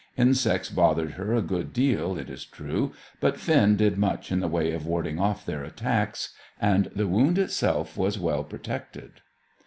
Insects bothered her a good deal it is true, but Finn did much in the way of warding off their attacks, and the wound itself was well protected.